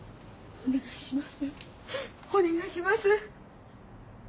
お願いします！